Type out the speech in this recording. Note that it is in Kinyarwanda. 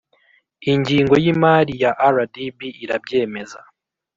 ingingo y imari ya rdb irabyemeza